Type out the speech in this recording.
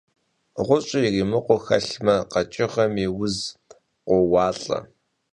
Ğuş'ır yirimıkhuu xelhme, kheç'ığemi vuz khoualh'e.